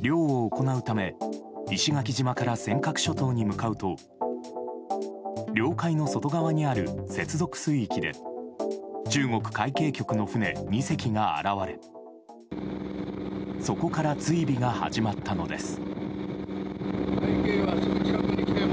漁を行うため石垣島から尖閣諸島に向かうと領海の外側にある接続水域で中国海警局の船２隻が現れそこから追尾が始まったのです。